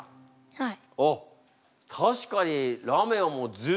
はい。